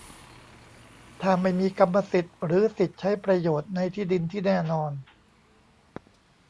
ถ้าไม่มีกรรมสิทธิ์หรือสิทธิ์ใช้ประโยชน์ในที่ดินที่แน่นอน